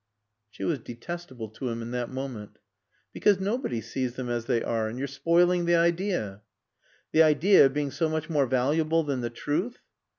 She was detestable to him in that moment. "Because nobody sees them as they are. And you're spoiling the idea." "The idea being so much more valuable than the truth."